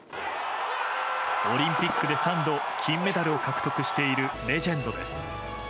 オリンピックで３度金メダルを獲得しているレジェンドです。